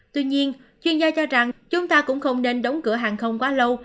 tuy nhiên chuyên gia cho rằng chúng ta cũng không nên đóng cửa hàng không quá lâu